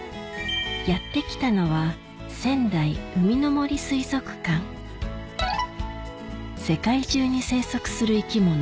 やって来たのは世界中に生息する生き物